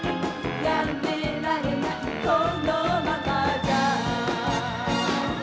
「やめられないこのままじゃ」